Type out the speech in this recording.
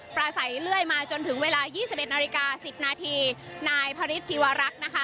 ประสัยเรื่อยมาจนถึงเวลายี่สิบเอ็ดนาฬิกาสิบนาทีนายพระฤทธิวรักษ์นะคะ